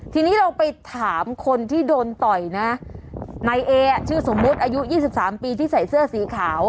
ทีนี้เราไปถามคนที่โดนต่อยนะนายเออ่ะชื่อสมมุติอายุ๒๓ปีที่ใส่เสื้อสีขาว